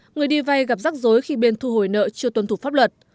người đi vay gặp rắc rối khi bên thu hồi nợ chưa tuân thủ pháp luật